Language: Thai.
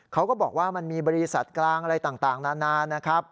เขาก็บอกว่ามันมีบริษัทกลางอะไรต่างนานนะครับ